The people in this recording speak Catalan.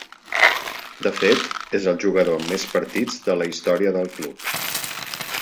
De fet, és el jugador amb més partits de la història del club.